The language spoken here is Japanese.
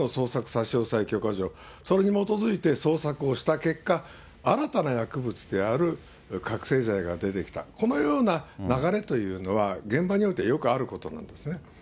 差し押さえ許可状、それに基づいて捜索をした結果、新たな薬物である覚醒剤が出てきた、このような流れというのは、現場においてよくあることなんですね。